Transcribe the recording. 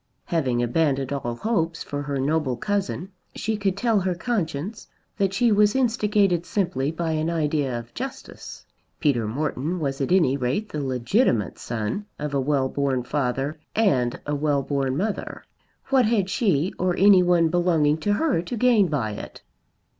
Having abandoned all hopes for her noble cousin she could tell her conscience that she was instigated simply by an idea of justice. Peter Morton was at any rate the legitimate son of a well born father and a well born mother. What had she or any one belonging to her to gain by it?